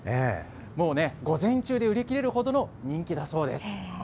もうね、午前中で売り切れるほどの人気だそうです。